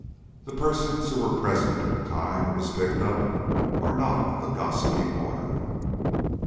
The persons who were present at the time it was picked up are not of the gossiping order."